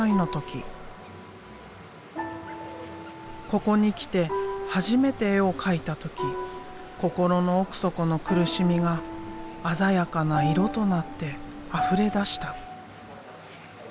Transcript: ここに来て初めて絵を描いた時心の奥底の苦しみが鮮やかな色となってあふれ出した。